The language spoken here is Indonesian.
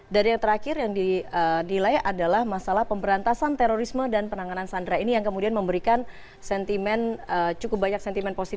dari yang terakhir yang dinilai adalah masalah pemberantasan terorisme dan penanganan sandra ini yang kemudian memberikan sentimen cukup banyak sentimen positif